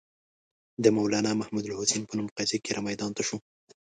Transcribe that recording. د مولنا محمودالحسن نوم په قضیه کې را میدان ته شو.